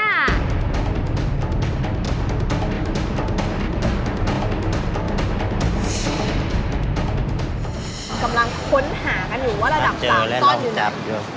มันกำลังค้นหากันอยู่ว่าระดับ๓ก้อนอยู่หนึ่ง